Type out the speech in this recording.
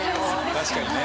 確かにね。